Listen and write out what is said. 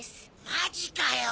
マジかよ。